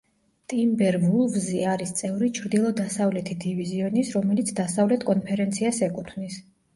ტიმბერვულვზი არის წევრი ჩრდილო-დასავლეთი დივიზიონის, რომელიც დასავლეთ კონფერენციას ეკუთვნის.